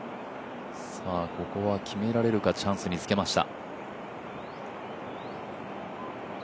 ここは決められるかチャンスにつけました。